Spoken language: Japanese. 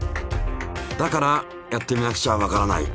だからやってみなくちゃわからない。